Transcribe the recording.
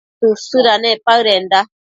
Tësëdanec paëdenda